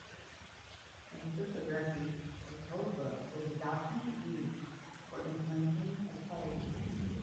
In cryptography, a codebook is a document used for implementing a code.